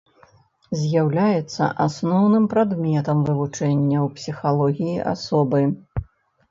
З'яўляецца асноўным прадметам вывучэння ў псіхалогіі асобы.